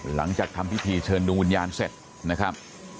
หลังจากทำพิธีเชิญดวงวิญญาณเสร็จนะครับ